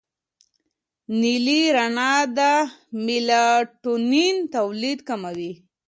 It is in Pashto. نیلي رڼا د میلاټونین تولید کموي.